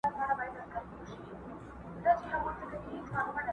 o ډېري خبري د کتاب ښې دي!